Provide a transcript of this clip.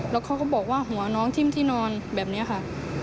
แล้วเขาก็บอกว่าหัวน้องทิ้มที่นอนแบบนี้ค่ะ